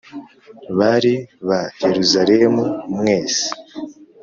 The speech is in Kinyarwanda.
bari ba Yeruzalemu mwese